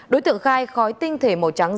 đối tượng khai khói tinh thể màu trắng